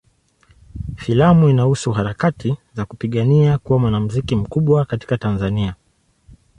Filamu inahusu harakati za kupigania kuwa mwanamuziki mkubwa katika Tanzania.